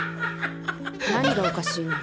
何がおかしいのよ？